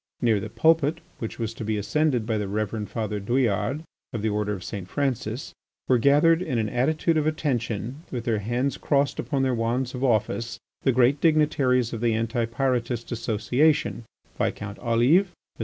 Near the pulpit, which was to be ascended by the Reverend Father Douillard, of the Order of St. Francis, were gathered, in an attitude of attention with their hands crossed upon their wands of office, the great dignitaries of the Anti Pyrotist association, Viscount Olive, M.